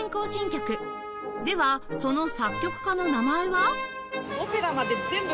ではその作曲家の名前は？